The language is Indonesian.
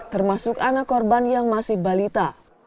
termasuk anak korban yang masih balita